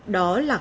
đó là cùng